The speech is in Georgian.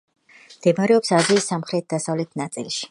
მდებარეობს აზიის სამხრეთ-დასავლეთ ნაწილში.